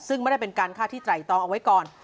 ซึ่งไม่ได้เป็นการฆ่าที่ไตรตองเอาไว้ก่อน